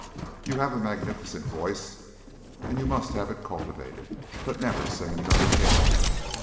"You have a magnificent voice, and you must have it cultivated. But never sing another hymn."